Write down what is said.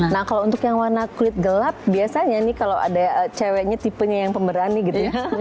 nah kalau untuk yang warna kulit gelap biasanya nih kalau ada ceweknya tipenya yang pemberani gitu ya